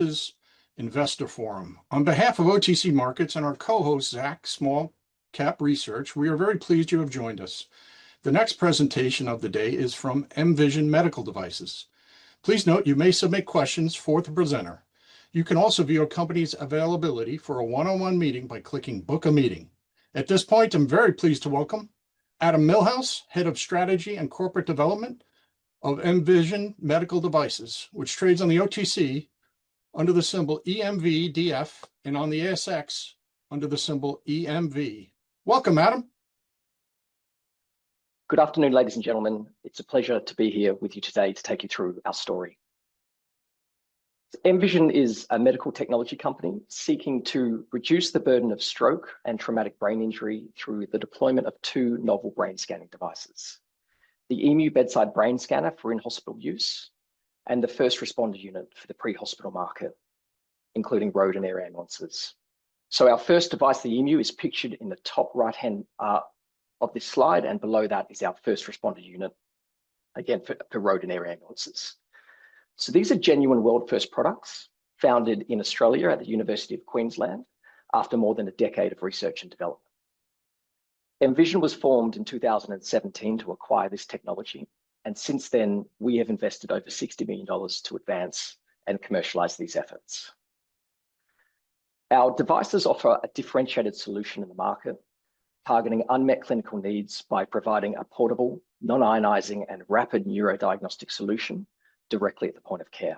Zacks's Investor Forum. On behalf of OTC Markets and our co-host, Zacks Small Cap Research, we are very pleased you have joined us. The next presentation of the day is from EMVision Medical Devices. Please note you may submit questions for the presenter. You can also view a company's availability for a one-on-one meeting by clicking Book a Meeting. At this point, I'm very pleased to welcome Adam Millhouse, Head of Strategy and Corporate Development of EMVision Medical Devices, which trades on the OTC under the symbol EMVDF and on the ASX under the symbol EMV. Welcome, Adam. Good afternoon, ladies and gentlemen. It's a pleasure to be here with you today to take you through our story. EMVision is a medical technology company seeking to reduce the burden of stroke and traumatic brain injury through the deployment of two novel brain scanning devices, the emu bedside brain scanner for in-hospital use, and the First Responder unit for the pre-hospital market, including road and air ambulances. Our first device, the emu, is pictured in the top right-hand of this slide, and below that is our First Responder unit, again, for road and air ambulances. These are genuine world-first products founded in Australia at the University of Queensland after more than a decade of research and development. EMVision was formed in 2017 to acquire this technology, and since then we have invested over 60 million dollars to advance and commercialize these efforts. Our devices offer a differentiated solution in the market, targeting unmet clinical needs by providing a portable, non-ionizing, and rapid neurodiagnostic solution directly at the point of care.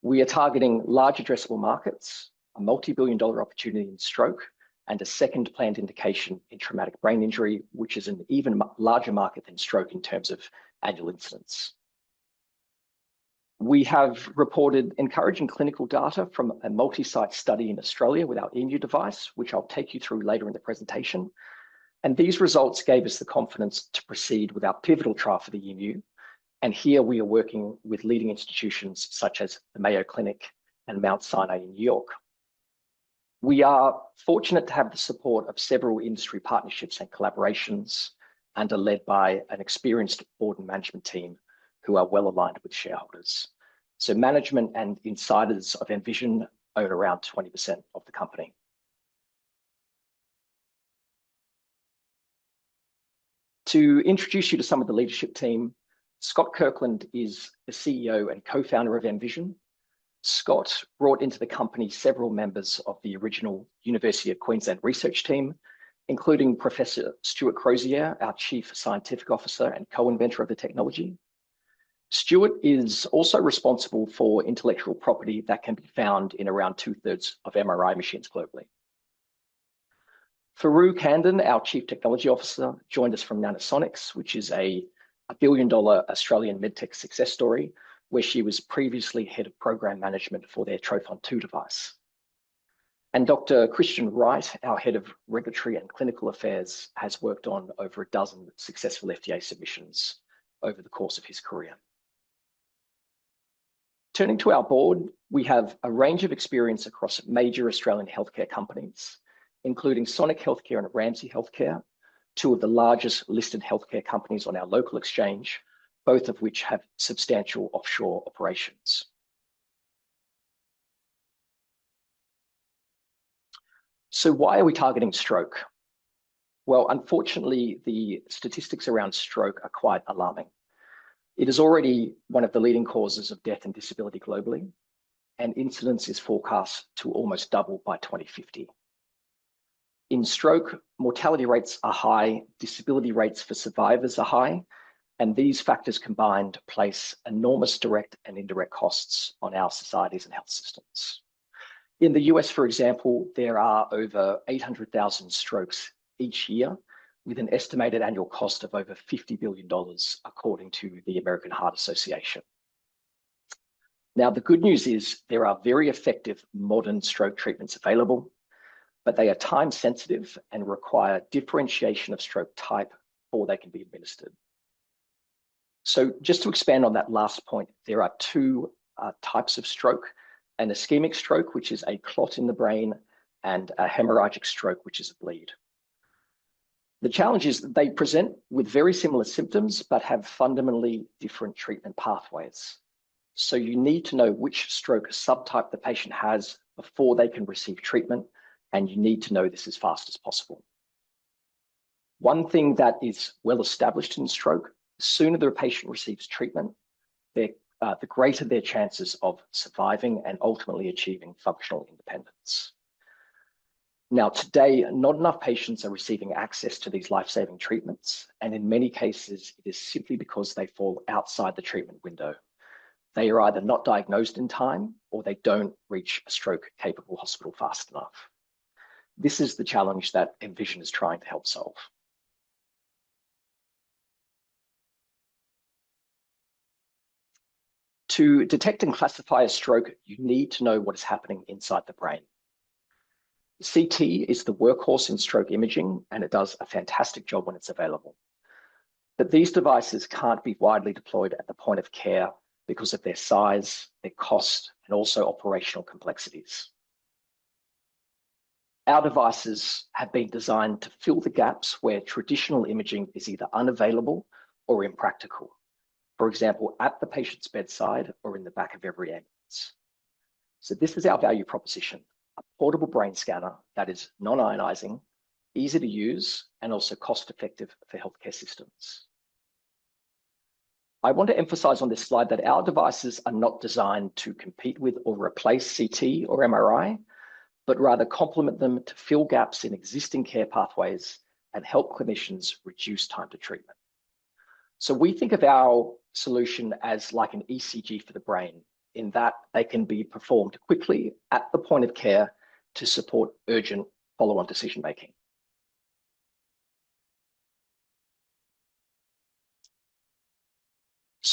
We are targeting large addressable markets, a multi-billion dollar opportunity in stroke, and a second planned indication in traumatic brain injury, which is an even larger market than stroke in terms of annual incidents. We have reported encouraging clinical data from a multi-site study in Australia with our emu device, which I'll take you through later in the presentation, and these results gave us the confidence to proceed with our pivotal trial for the emu, and here we are working with leading institutions such as the Mayo Clinic and Mount Sinai in New York. We are fortunate to have the support of several industry partnerships and collaborations, and are led by an experienced board and management team who are well-aligned with shareholders. Management and insiders of EMVision own around 20% of the company. To introduce you to some of the leadership team, Scott Kirkland is the CEO and Co-Founder of EMVision. Scott brought into the company several members of the original University of Queensland research team, including Professor Stuart Crozier, our Chief Scientific Officer and Co-Inventor of the technology. Stuart is also responsible for intellectual property that can be found in around two-thirds of MRI machines globally. Forough Khandan, our Chief Technology Officer, joined us from Nanosonics, which is a billion-dollar Australian med tech success story, where she was previously Head of Program Management for their trophon2 device. Dr. Christian Wight, our Head of Regulatory and Clinical Affairs, has worked on over a dozen successful FDA submissions over the course of his career. Turning to our board, we have a range of experience across major Australian healthcare companies, including Sonic Healthcare and Ramsay Health Care, two of the largest listed healthcare companies on our local exchange, both of which have substantial offshore operations. Why are we targeting stroke? Well, unfortunately, the statistics around stroke are quite alarming. It is already one of the leading causes of death and disability globally, and incidence is forecast to almost double by 2050. In stroke, mortality rates are high, disability rates for survivors are high, and these factors combined place enormous direct and indirect costs on our societies and health systems. In the U.S., for example, there are over 800,000 strokes each year, with an estimated annual cost of over $50 billion, according to the American Heart Association. Now, the good news is there are very effective modern stroke treatments available, but they are time-sensitive and require differentiation of stroke type before they can be administered. Just to expand on that last point, there are two types of stroke, an ischemic stroke, which is a clot in the brain, and a hemorrhagic stroke, which is a bleed. The challenge is they present with very similar symptoms but have fundamentally different treatment pathways. You need to know which stroke subtype the patient has before they can receive treatment, and you need to know this as fast as possible. One thing that is well established in stroke, the sooner the patient receives treatment, the greater their chances of surviving and ultimately achieving functional independence. Now, today, not enough patients are receiving access to these life-saving treatments, and in many cases, it is simply because they fall outside the treatment window. They are either not diagnosed in time or they don't reach a stroke-capable hospital fast enough. This is the challenge that EMVision is trying to help solve. To detect and classify a stroke, you need to know what is happening inside the brain. CT is the workhorse in stroke imaging, and it does a fantastic job when it's available. These devices can't be widely deployed at the point of care because of their size, their cost, and also operational complexities. Our devices have been designed to fill the gaps where traditional imaging is either unavailable or impractical. For example, at the patient's bedside or in the back of every ambulance. This is our value proposition, a portable brain scanner that is non-ionizing, easy to use, and also cost-effective for healthcare systems. I want to emphasize on this slide that our devices are not designed to compete with or replace CT or MRI, but rather complement them to fill gaps in existing care pathways and help clinicians reduce time to treatment. We think of our solution as like an ECG for the brain, in that they can be performed quickly at the point of care to support urgent follow-on decision making.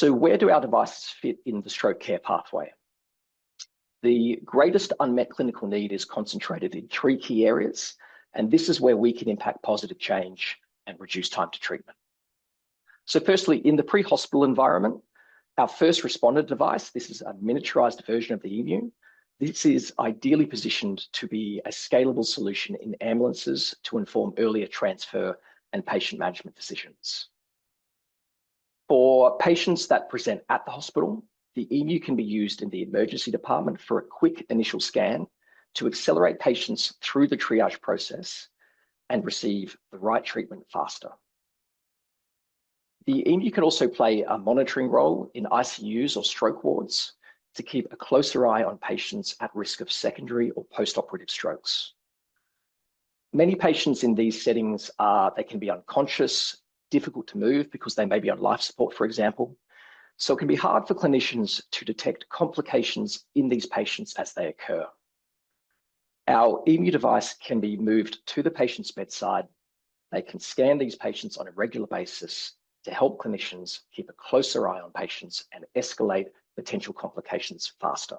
Where do our devices fit in the stroke care pathway? The greatest unmet clinical need is concentrated in three key areas, and this is where we can impact positive change and reduce time to treatment. Firstly, in the pre-hospital environment, our First Responder device, this is a miniaturized version of the emu, this is ideally positioned to be a scalable solution in ambulances to inform earlier transfer and patient management decisions. For patients that present at the hospital, the emu can be used in the emergency department for a quick initial scan to accelerate patients through the triage process and receive the right treatment faster. The emu can also play a monitoring role in ICUs or stroke wards to keep a closer eye on patients at risk of secondary or post-operative strokes. Many patients in these settings are. They can be unconscious, difficult to move because they may be on life support, for example. It can be hard for clinicians to detect complications in these patients as they occur. Our emu device can be moved to the patient's bedside. They can scan these patients on a regular basis to help clinicians keep a closer eye on patients and escalate potential complications faster.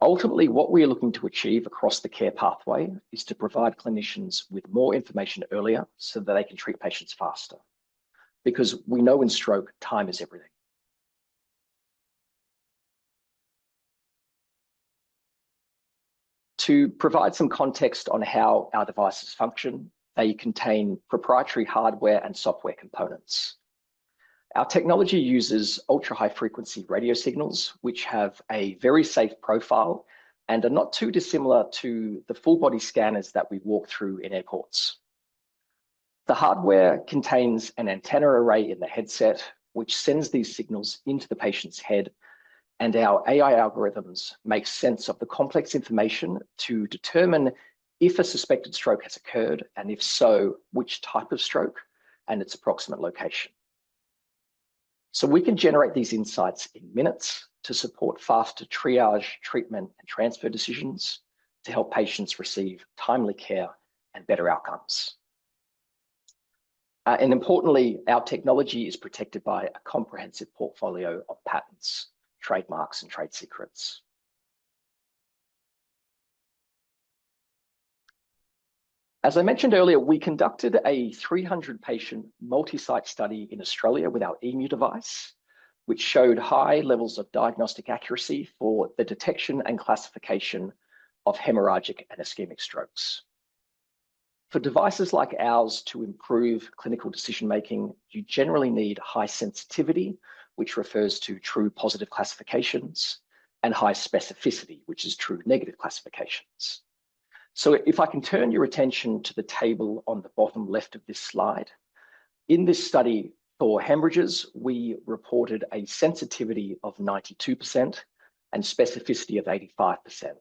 Ultimately, what we're looking to achieve across the care pathway is to provide clinicians with more information earlier so that they can treat patients faster. Because we know in stroke, time is everything. To provide some context on how our devices function, they contain proprietary hardware and software components. Our technology uses ultra-high frequency radio signals, which have a very safe profile and are not too dissimilar to the full body scanners that we walk through in airports. The hardware contains an antenna array in the headset, which sends these signals into the patient's head, and our AI algorithms make sense of the complex information to determine if a suspected stroke has occurred, and if so, which type of stroke and its approximate location. We can generate these insights in minutes to support faster triage, treatment, and transfer decisions to help patients receive timely care and better outcomes. Importantly, our technology is protected by a comprehensive portfolio of patents, trademarks, and trade secrets. As I mentioned earlier, we conducted a 300-patient multi-site study in Australia with our emu device, which showed high levels of diagnostic accuracy for the detection and classification of hemorrhagic and ischemic strokes. For devices like ours to improve clinical decision-making, you generally need high sensitivity, which refers to true positive classifications, and high specificity, which is true negative classifications. If I can turn your attention to the table on the bottom left of this slide. In this study for hemorrhages, we reported a sensitivity of 92% and specificity of 85%.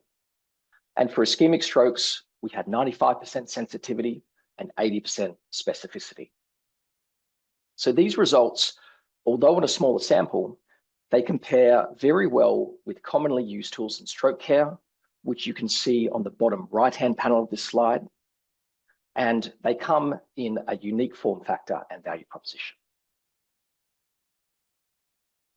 For ischemic strokes, we had 95% sensitivity and 80% specificity. These results, although on a smaller sample, they compare very well with commonly used tools in stroke care, which you can see on the bottom right-hand panel of this slide, and they come in a unique form factor and value proposition.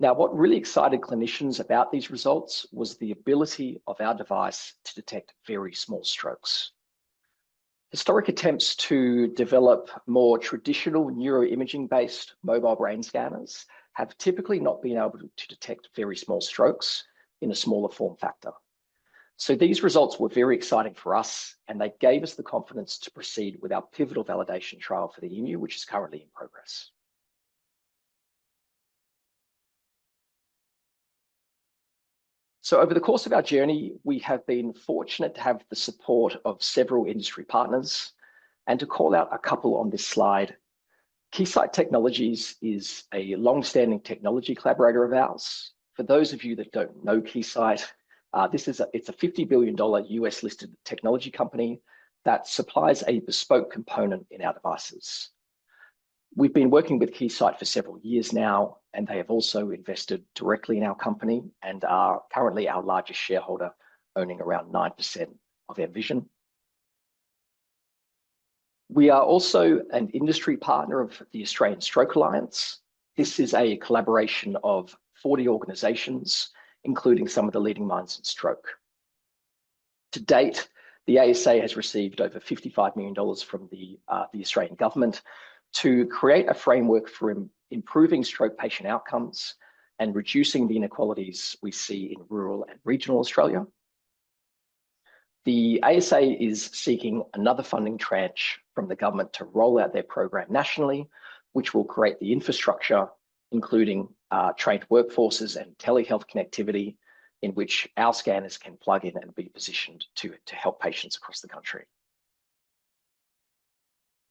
Now, what really excited clinicians about these results was the ability of our device to detect very small strokes. Historical attempts to develop more traditional neuroimaging-based mobile brain scanners have typically not been able to detect very small strokes in a smaller form factor. These results were very exciting for us, and they gave us the confidence to proceed with our pivotal validation trial for the emu, which is currently in progress. Over the course of our journey, we have been fortunate to have the support of several industry partners, and to call out a couple on this slide. Keysight Technologies is a long-standing technology collaborator of ours. For those of you that don't know Keysight, this is a $50 billion U.S.-listed technology company that supplies a bespoke component in our devices. We've been working with Keysight for several years now, and they have also invested directly in our company and are currently our largest shareholder, owning around 9% of EMVision. We are also an industry partner of the Australian Stroke Alliance. This is a collaboration of 40 organizations, including some of the leading minds in stroke. To date, the ASA has received over 55 million dollars from the Australian government to create a framework for improving stroke patient outcomes and reducing the inequalities we see in rural and regional Australia. The ASA is seeking another funding tranche from the government to roll out their program nationally, which will create the infrastructure, including trained workforces and telehealth connectivity, in which our scanners can plug in and be positioned to help patients across the country.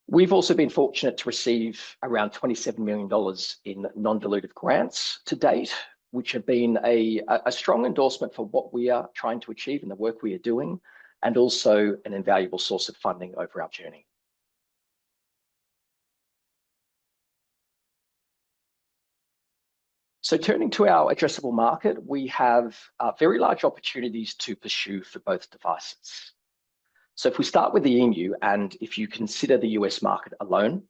We've also been fortunate to receive around 27 million dollars in non-dilutive grants to date, which have been a strong endorsement for what we are trying to achieve and the work we are doing, and also an invaluable source of funding over our journey. Turning to our addressable market, we have very large opportunities to pursue for both devices. If we start with the emu, and if you consider the U.S. market alone,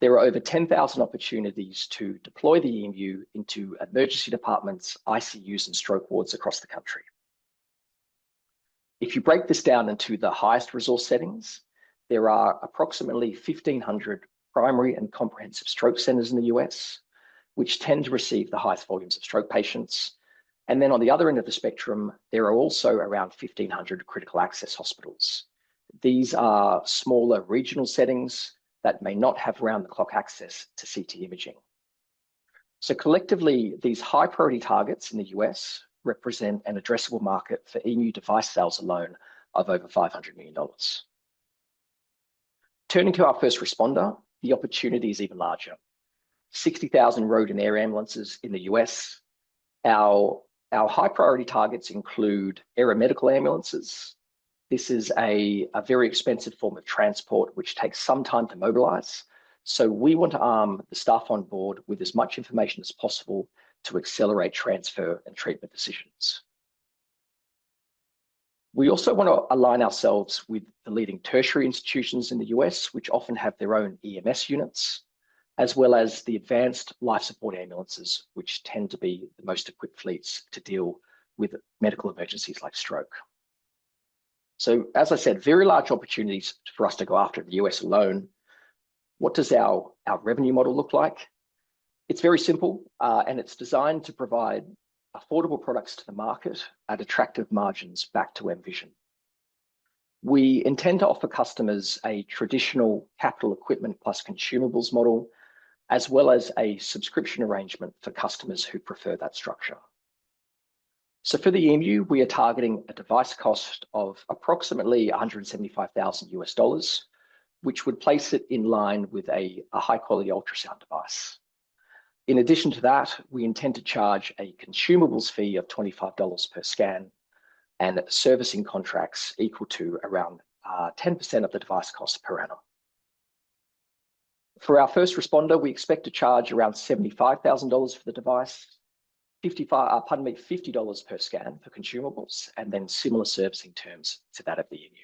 there are over 10,000 opportunities to deploy the emu into emergency departments, ICUs, and stroke wards across the country. If you break this down into the highest resource settings, there are approximately 1,500 primary and comprehensive stroke centers in the U.S., which tend to receive the highest volumes of stroke patients. Then on the other end of the spectrum, there are also around 1,500 critical access hospitals. These are smaller regional settings that may not have round-the-clock access to CT imaging. Collectively, these high-priority targets in the U.S. represent an addressable market for emu device sales alone of over $500 million. Turning to our First Responder, the opportunity is even larger. 60,000 road and air ambulances in the U.S. Our high priority targets include aeromedical ambulances. This is a very expensive form of transport, which takes some time to mobilize. We want to arm the staff on board with as much information as possible to accelerate transfer and treatment decisions. We also wanna align ourselves with the leading tertiary institutions in the U.S., which often have their own EMS units, as well as the advanced life support ambulances, which tend to be the most equipped fleets to deal with medical emergencies like stroke. As I said, very large opportunities for us to go after in the U.S. alone. What does our revenue model look like? It's very simple, and it's designed to provide affordable products to the market at attractive margins back to EMVision. We intend to offer customers a traditional capital equipment plus consumables model, as well as a subscription arrangement for customers who prefer that structure. For the emu, we are targeting a device cost of approximately $175,000, which would place it in line with a high-quality ultrasound device. In addition to that, we intend to charge a consumables fee of $25 per scan and servicing contracts equal to around 10% of the device cost per annum. For our First Responder, we expect to charge around $75,000 for the device, $50 per scan for consumables, and then similar servicing terms to that of the emu.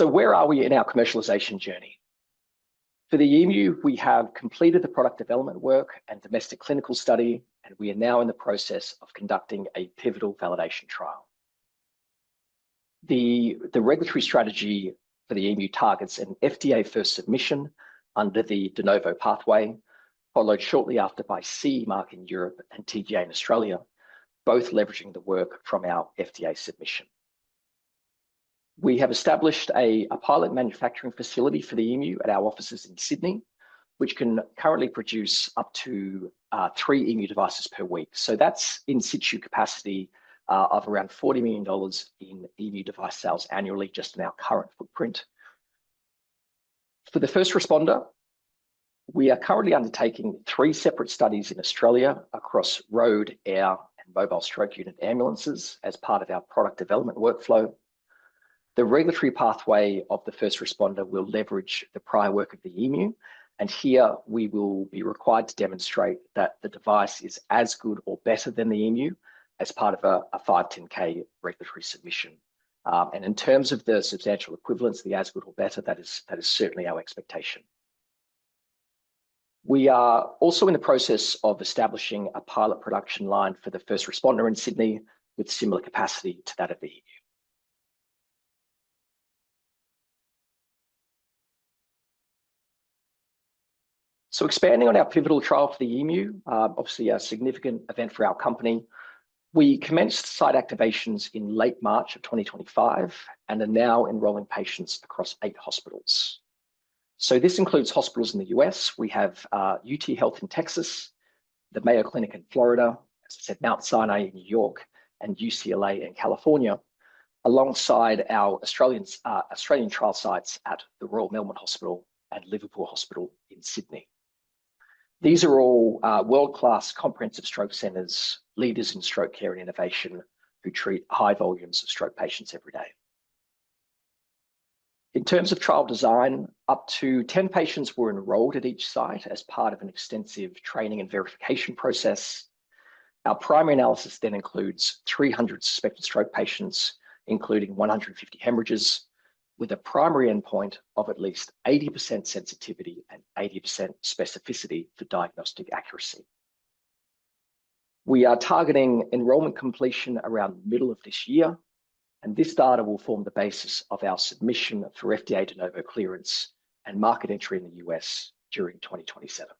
Where are we in our commercialization journey? For the emu, we have completed the product development work and domestic clinical study, and we are now in the process of conducting a pivotal validation trial. The regulatory strategy for the emu targets an FDA first submission under the De Novo pathway, followed shortly after by CE mark in Europe and TGA in Australia, both leveraging the work from our FDA submission. We have established a pilot manufacturing facility for the emu at our offices in Sydney, which can currently produce up to three emu devices per week. That's in-situ capacity of around 40 million dollars in emu device sales annually, just in our current footprint. For the First Responder, we are currently undertaking three separate studies in Australia across road, air, and mobile stroke unit ambulances as part of our product development workflow. The regulatory pathway of the First Responder will leverage the prior work of the emu, and here we will be required to demonstrate that the device is as good or better than the emu as part of a 510(k) regulatory submission. In terms of the substantial equivalence, the as good or better, that is certainly our expectation. We are also in the process of establishing a pilot production line for the First Responder in Sydney with similar capacity to that of the emu. Expanding on our pivotal trial for the emu, obviously a significant event for our company. We commenced site activations in late March of 2025 and are now enrolling patients across eight hospitals. This includes hospitals in the U.S. We have, UTHealth in Texas, the Mayo Clinic in Florida, as I said, Mount Sinai in New York, and UCLA in California, alongside our Australian trial sites at The Royal Melbourne Hospital and Liverpool Hospital in Sydney. These are all, world-class comprehensive stroke centers, leaders in stroke care and innovation, who treat high volumes of stroke patients every day. In terms of trial design, up to 10 patients were enrolled at each site as part of an extensive training and verification process. Our primary analysis then includes 300 suspected stroke patients, including 150 hemorrhages, with a primary endpoint of at least 80% sensitivity and 80% specificity for diagnostic accuracy. We are targeting enrollment completion around the middle of this year. This data will form the basis of our submission for FDA De Novo clearance and market entry in the U.S. during 2027.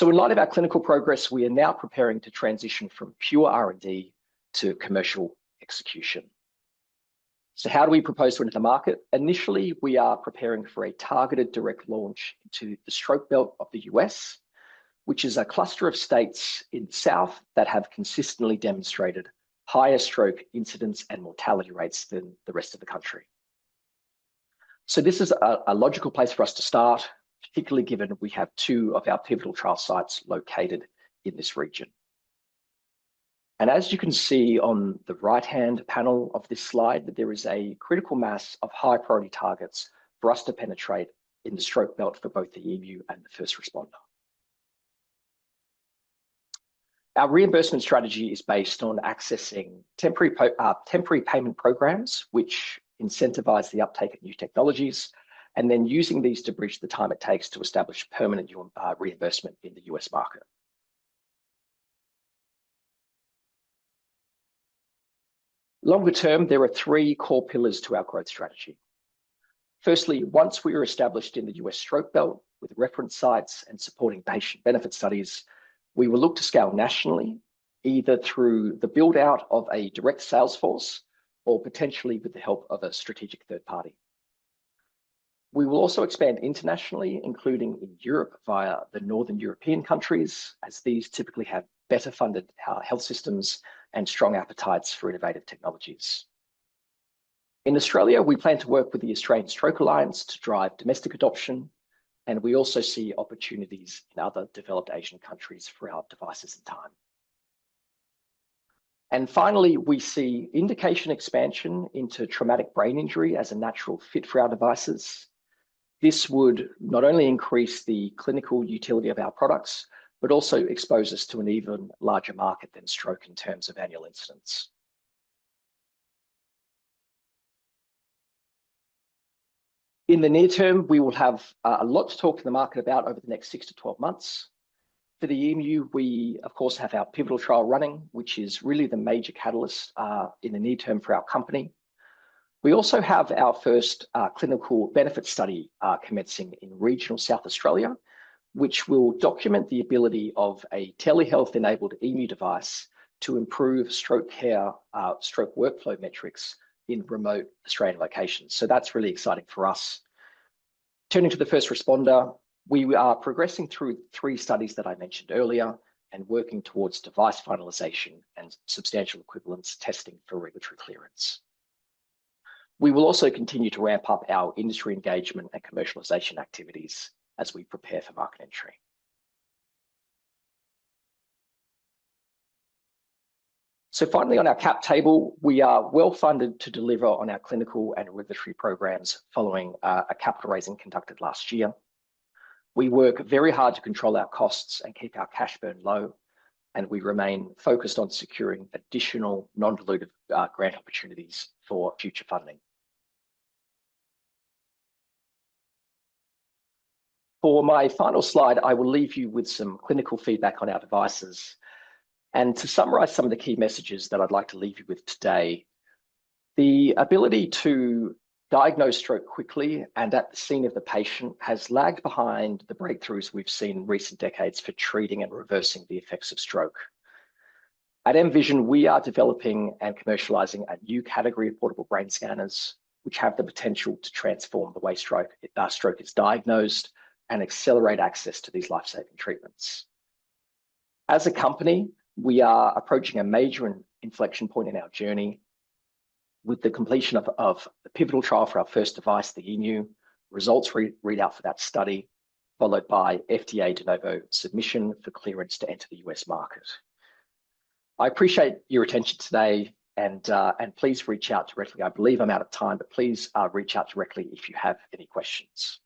In light of our clinical progress, we are now preparing to transition from pure R&D to commercial execution. How do we propose to enter market? Initially, we are preparing for a targeted direct launch into the stroke belt of the U.S., which is a cluster of states in the South that have consistently demonstrated higher stroke incidence and mortality rates than the rest of the country. This is a logical place for us to start, particularly given we have two of our pivotal trial sites located in this region. As you can see on the right-hand panel of this slide, that there is a critical mass of high-priority targets for us to penetrate in the stroke belt for both the emu and the First Responder. Our reimbursement strategy is based on accessing temporary payment programs, which incentivize the uptake of new technologies, and then using these to bridge the time it takes to establish permanent reimbursement in the U.S. market. Longer term, there are three core pillars to our growth strategy. Firstly, once we are established in the U.S. stroke belt with reference sites and supporting patient benefit studies, we will look to scale nationally, either through the build-out of a direct sales force or potentially with the help of a strategic third party. We will also expand internationally, including in Europe via the Northern European countries, as these typically have better-funded health systems and strong appetites for innovative technologies. In Australia, we plan to work with the Australian Stroke Alliance to drive domestic adoption, and we also see opportunities in other developed Asian countries for our devices in time. Finally, we see indication expansion into traumatic brain injury as a natural fit for our devices. This would not only increase the clinical utility of our products but also expose us to an even larger market than stroke in terms of annual incidents. In the near term, we will have a lot to talk to the market about over the next six-12 months. For the Emu, we of course have our pivotal trial running, which is really the major catalyst in the near term for our company. We also have our first clinical benefit study commencing in regional South Australia, which will document the ability of a telehealth-enabled emu device to improve stroke care, stroke workflow metrics in remote Australian locations. That's really exciting for us. Turning to the First Responder, we are progressing through three studies that I mentioned earlier and working towards device finalization and substantial equivalence testing for regulatory clearance. We will also continue to ramp up our industry engagement and commercialization activities as we prepare for market entry. Finally on our cap table, we are well-funded to deliver on our clinical and regulatory programs following a capital raising conducted last year. We work very hard to control our costs and keep our cash burn low, and we remain focused on securing additional non-dilutive grant opportunities for future funding. For my final slide, I will leave you with some clinical feedback on our devices and to summarize some of the key messages that I'd like to leave you with today. The ability to diagnose stroke quickly and at the scene of the patient has lagged behind the breakthroughs we've seen in recent decades for treating and reversing the effects of stroke. At EMVision, we are developing and commercializing a new category of portable brain scanners, which have the potential to transform the way stroke is diagnosed and accelerate access to these life-saving treatments. As a company, we are approaching a major inflection point in our journey with the completion of the pivotal trial for our first device, the Emu, results readout for that study, followed by FDA De Novo submission for clearance to enter the U.S. market. I appreciate your attention today and please reach out directly. I believe I'm out of time, but please reach out directly if you have any questions. Thanks.